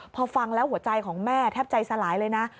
พอฟังแล้วหัวใจของแม่แทบใจสลายเลยนะ